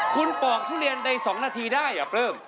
คุณปอกทุเรียนใน๒นาทีได้หรอเพิ่ม